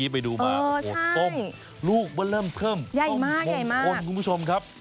ไปดูมาอ๋อใช่ลูกว่าเริ่มเพิ่มใหญ่มากใหญ่มากคุณผู้ชมครับ